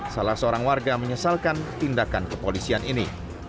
salah seorang warga menyesalkan tindakan kepolisian ini